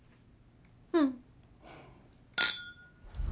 うん。